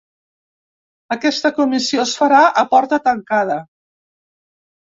Aquesta comissió es farà a porta tancada.